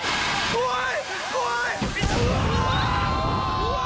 怖い！